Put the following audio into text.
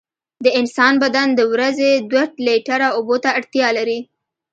د انسان بدن د ورځې دوه لېټره اوبو ته اړتیا لري.